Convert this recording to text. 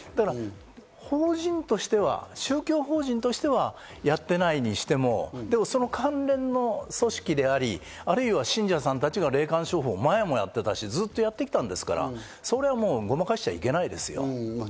法人としては宗教法人としてはやってないにしても関連の組織であり、信者さんたちが霊感商法、前もやってたし、ずっとやってきたんですから、それをごまかしちゃいけないですよ。